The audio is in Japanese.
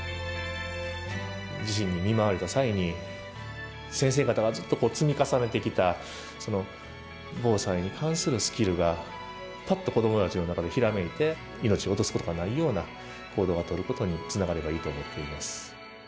地震に見舞われた際に先生方がずっと積み重ねてきた防災に関するスキルがパッと子どもたちの中でひらめいて命を落とすことがないような行動をとることにつながればいいと思っています。